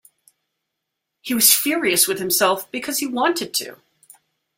He was furious with himself because he wanted to.